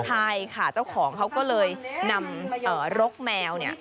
ใช่ค่ะเจ้าของเขาก็เลยนำรกแมวเนี่ย